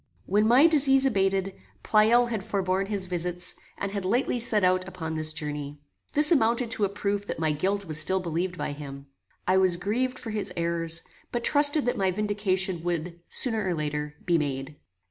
When my disease abated, Pleyel had forborne his visits, and had lately set out upon this journey. This amounted to a proof that my guilt was still believed by him. I was grieved for his errors, but trusted that my vindication would, sooner or later, be made.